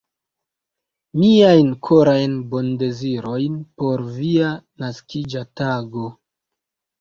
Miajn korajn bondezirojn por via naskiĝa tago!